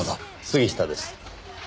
杉下です。